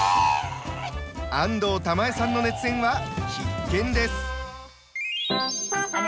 安藤玉恵さんの熱演は必見です。